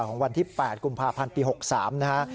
ของวันที่๘กุมภาพันธ์ปี๖๓นะฮะ